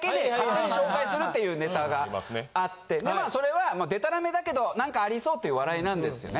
っていうネタがあってでまあそれはデタラメだけど何かありそうっていう笑いなんですよね。